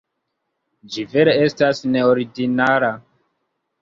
Ĝi vere estas neordinara.